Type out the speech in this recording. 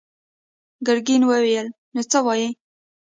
ګرګين وويل: نو څه وايې؟